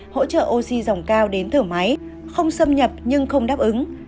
hỗ trợ oxy dòng cao đến thở máy không xâm nhập nhưng không đáp ứng